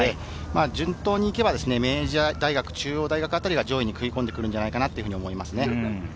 順当に行けば明治大学、中央大学あたりが上位に食い込んでくるのではないかと思います。